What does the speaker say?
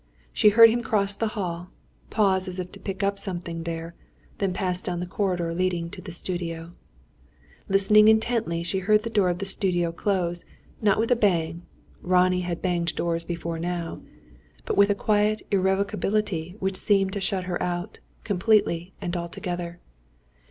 She heard him cross the hall, pause as if to pick up something there; then pass down the corridor leading to the studio. Listening intently, she heard the door of the studio close; not with a bang Ronnie had banged doors before now but with a quiet irrevocability which seemed to shut her out, completely and altogether.